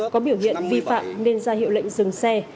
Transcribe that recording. có biểu hiện vi phạm nên ra hiệu lệnh dừng xe